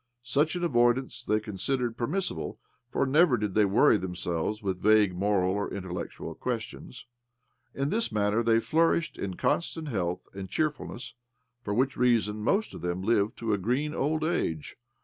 Such an avoidancei they considered permissible, for never did they worry them selves with vague moral or intellectual 122 OBLOMOV questions. In this manner they flourished in constant health and cheerftdness : for which reason most of them lived to a green old age.